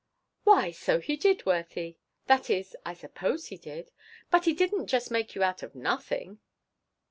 "Why so He did, Worthie that is, I suppose He did but He didn't just make you out of nothing."